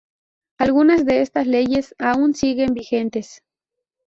Algunas de estas leyes aún siguen vigentes.